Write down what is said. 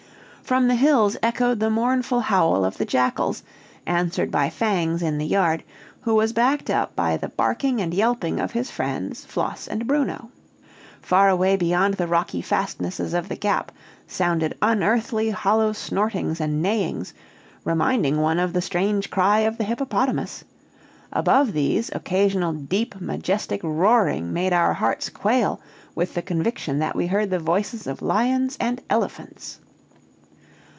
"From the hills echoed the mournful howl of the jackals, answered by Fangs in the yard, who was backed up by the barking and yelping of his friends Floss and Bruno. Far away beyond the rocky fastnesses of the Gap, sounded unearthly, hollow snortings and neighings, reminding one of the strange cry of the hippopotamus; above these, occasional deep majestic roaring made our hearts quail with the conviction that we heard the voices of lions and elephants.